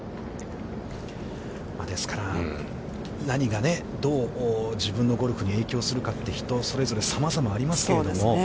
ですから、何がねどう自分のゴルフに影響するかって、人それぞれ、さまざまありますけど。